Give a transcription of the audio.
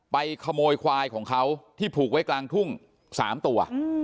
ไปขโมยควายของเขาที่ผูกไว้กลางทุ่ง๓ตัว